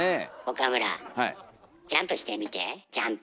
岡村ジャンプしてみてジャンプ。